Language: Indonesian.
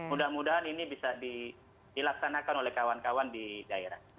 mudah mudahan ini bisa dilaksanakan oleh kawan kawan di daerah